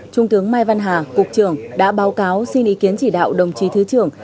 trung tướng mai văn hà cục trưởng đã báo cáo xin ý kiến chỉ đạo đồng chí thứ trưởng